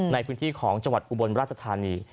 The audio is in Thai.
ในพื้นที่ของจังหวัดอุบลราชธานี